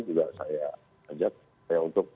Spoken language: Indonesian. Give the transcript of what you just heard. juga saya ajak saya untuk